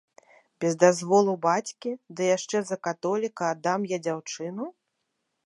Без дазволу бацькі, ды яшчэ за католіка аддам я дзяўчыну?